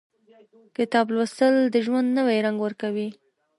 • کتاب لوستل، د ژوند نوی رنګ ورکوي.